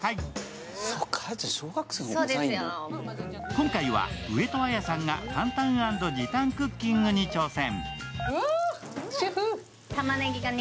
今回は上戸彩さんが簡単＆時短クッキングに挑戦。